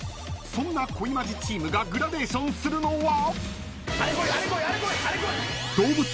［そんな恋マジチームがグラデーションするのは］